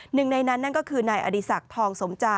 หนึ่งในนั้นนั่นก็คือนายอดีศักดิ์ทองสมจา